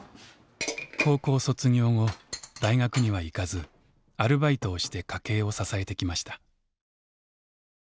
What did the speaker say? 高校卒業後大学には行かずアルバイトをして家計を支えてきました。